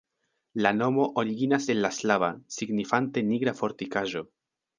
La nomo originas el la slava, signifante nigra fortikaĵo.